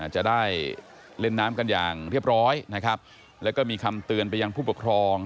จะได้เล่นน้ำกันอย่างเรียบร้อยนะครับแล้วก็มีคำเตือนไปยังผู้ปกครอง